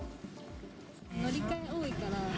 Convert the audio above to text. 乗り換え多いから。